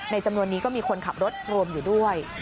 จำนวนนี้ก็มีคนขับรถรวมอยู่ด้วย